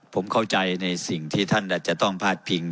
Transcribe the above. ผมเข้าใจในสิ่งที่ท่านอาจจะต้องพาดพิง